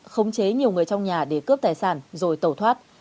khống chế nhiều người trong nhà để cướp tài sản rồi tẩu thoát